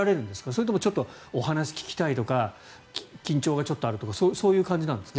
それともちょっとお話を聞きたいとか緊張があるとかそういう感じなんですか？